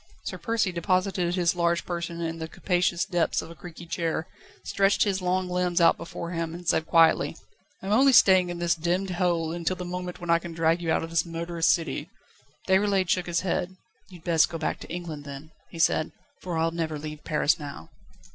Sir Percy deposited his large person in the capacious depths of a creaky chair, stretched his long limbs out before him, and said quietly: "I am only staying in this demmed hole until the moment when I can drag you out of this murderous city." Déroulède shook his head. "You'd best go back to England, then," he said, "for I'll never leave Paris now."